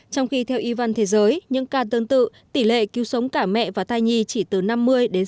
trong khi theo y văn thế giới những ca tương tự tỷ lệ cứu sống cả mẹ và thai nhi chỉ từ năm mươi đến sáu mươi